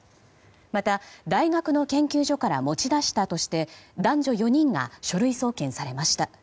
また、大学の研究所から持ち出したとして男女４人が書類送検されました。